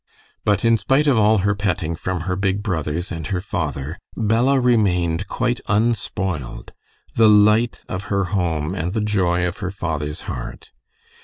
But, in spite of all her petting from her big brothers and her father, Bella remained quite unspoiled, the light of her home and the joy of her father's heart.